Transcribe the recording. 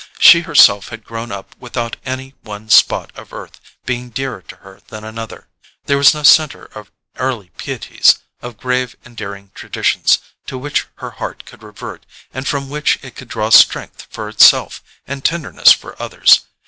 She herself had grown up without any one spot of earth being dearer to her than another: there was no centre of early pieties, of grave endearing traditions, to which her heart could revert and from which it could draw strength for itself and tenderness for others.